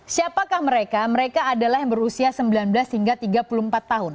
siapakah mereka mereka adalah yang berusia sembilan belas hingga tiga puluh empat tahun